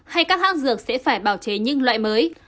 hay các hác dược sẽ phải bảo chế những loại mới